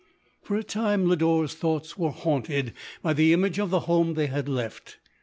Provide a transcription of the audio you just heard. For a time, Lodore's thoughts were haunted LODORE. 211 by the image of the home they had left.